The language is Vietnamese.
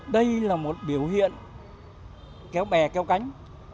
đây là một biểu hiện kéo bè kéo cánh